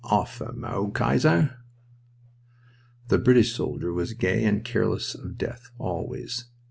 "'Alf a mo', Kaiser!"... The British soldier was gay and careless of death always.